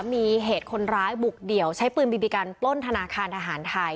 มีเหตุคนร้ายบุกเดี่ยวใช้ปืนบีบีกันปล้นธนาคารทหารไทย